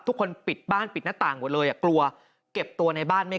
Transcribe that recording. ปิดบ้านปิดหน้าต่างหมดเลยอ่ะกลัวเก็บตัวในบ้านไม่